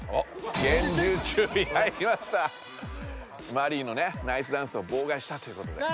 マリイのねナイスダンスをぼうがいしたということで。